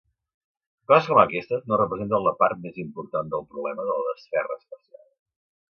Coses com aquestes no representen la part més important del problema de la desferra espacial.